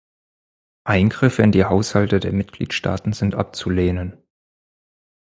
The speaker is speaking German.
Eingriffe in die Haushalte der Mitgliedstaaten sind abzulehnen.